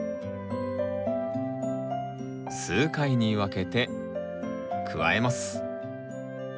数回に分けて加えます。